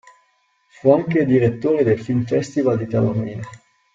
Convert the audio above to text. Fu anche direttore del Film Festival di Taormina.